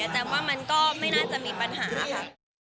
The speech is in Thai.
แต่ว่ามันก็ไม่น่าจะมีปัญหาค่ะ